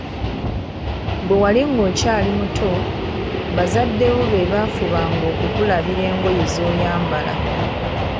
Bwe wali ng‘okyali muto, bazadde bo be baafubanga okukulabira engoye z'oyambala.